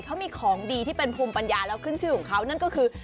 เขามีของดีที่เป็นภูมิปัญญาแล้วขึ้นชื่อของเขานั่นก็คือ